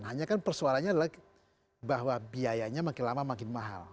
hanya kan persoalannya adalah bahwa biayanya makin lama makin mahal